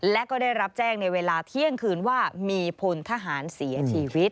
และก็ได้รับแจ้งในเวลาเที่ยงคืนว่ามีพลทหารเสียชีวิต